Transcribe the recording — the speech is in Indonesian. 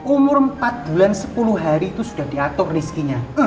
umur empat bulan sepuluh hari itu sudah diatur rizkinya